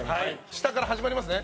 下から始まりますね。